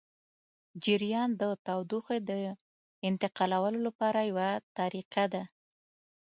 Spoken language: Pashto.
جریان د تودوخې د انتقالولو لپاره یوه طریقه ده.